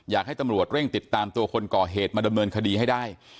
อยากให้ตำรวจเร่งติดตามตัวคนก่อเหตุมาดำเนินคดีให้ได้